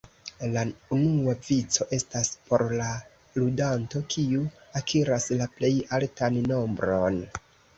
La unua vico estas por la ludanto kiu akiras la plej altan nombron.